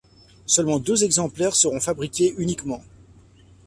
Seulement deux exemplaires seront fabriqués uniquement.